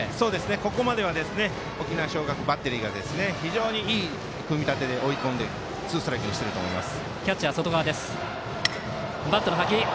ここまでは沖縄尚学バッテリーが非常にいい組み立てで追い込んでツーストライクにしていると思います。